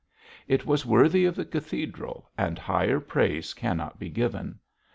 It was worthy of the cathedral, and higher praise cannot be given.